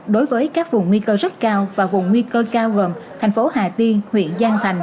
đối với các vùng nguy cơ rất cao và vùng nguy cơ cao gồm thành phố hà tiên huyện giang thành